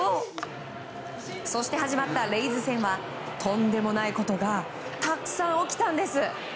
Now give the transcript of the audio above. そして始まったレイズ戦はとんでもないことがたくさん起きたんです。